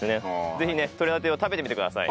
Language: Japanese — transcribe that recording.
ぜひねとれたてを食べてみてください。